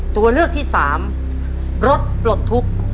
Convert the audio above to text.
ตัวเลือกที่สามรถปลดทุกข์